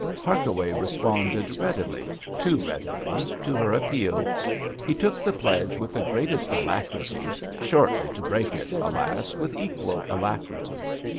Harkaway responded readily, too readily, to her appeal. He took the pledge with the greatest alacrity, shortly to break it, alas ! with equal alacrity.